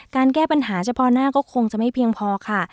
แก้ปัญหาเฉพาะหน้าก็คงจะไม่เพียงพอค่ะ